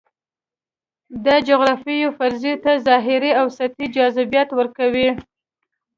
دا جغرافیوي فرضیې ته ظاهري او سطحي جذابیت ورکوي.